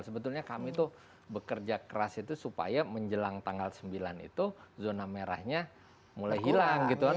sebetulnya kami tuh bekerja keras itu supaya menjelang tanggal sembilan itu zona merahnya mulai hilang gitu kan